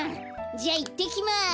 じゃいってきます。